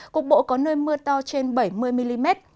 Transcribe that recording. cục bộ có nơi mưa to trên bảy mươi mm